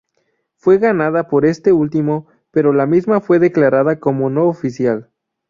Fue ganada por este último, pero la misma fue declarada como no oficial.